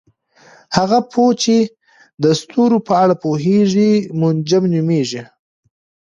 هغه پوه چې د ستورو په اړه پوهیږي منجم نومیږي.